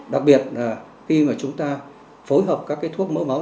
đặc biệt là khi chúng ta phối hợp các thuốc mỡ máu